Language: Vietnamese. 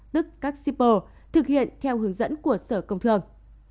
tức các sipo thực hiện theo hướng dẫn của sở công thường